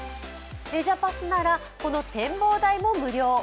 レジャパスならこの展望台も無料。